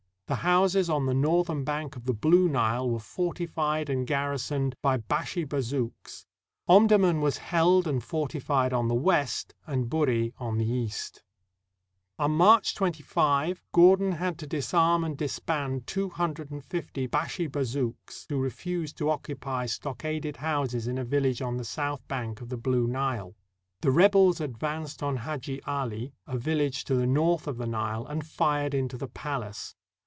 The houses on the northern bank of the Blue Nile were fortified and garrisoned by Bashi Bazouks. Omdurman was held and fortified on the west and Buri on the east. On March 25, Gordon had to disarm and disband two hundred and fifty Bashi Bazouks who refused to occupy stockaded houses in a village on the south bank of the Blue Nile. The rebels advanced on Hadji Ali, a village to the north of the Nile, and fired into the palace.